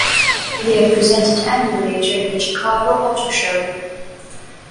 They are presented annually during the Chicago Auto Show.